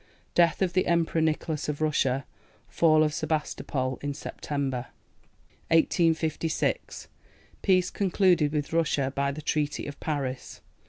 Death of the Emperor Nicholas of Russia. Fall of Sebastopol (Sept.). 1856. Peace concluded with Russia by the Treaty of Paris.